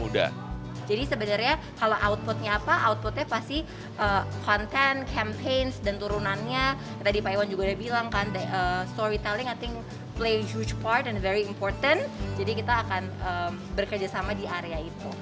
tadi pak iwan juga udah bilang kan storytelling i think play a huge part and very important jadi kita akan bekerjasama di area itu